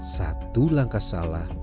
satu langkah salah